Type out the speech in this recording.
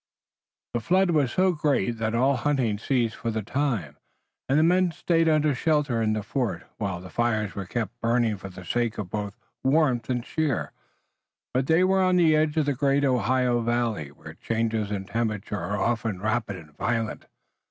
The flood was so great that all hunting ceased for the time, and the men stayed under shelter in the fort, while the fires were kept burning for the sake of both warmth and cheer. But they were on the edge of the great Ohio Valley, where changes in temperature are often rapid and violent.